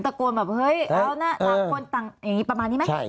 ตะโกนแบบเฮ้ยเอานะต่างคนต่างอย่างนี้ประมาณนี้ไหม